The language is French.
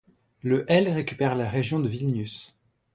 Le elle récupère la région de Vilnius.